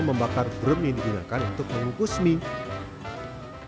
membakar drum yang digunakan untuk mengukus mie